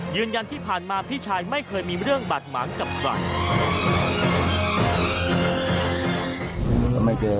ยืนยันที่ผ่านมาพี่ชายไม่เคยมีเรื่องบาดหมางกับใคร